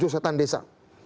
tujuh setan desa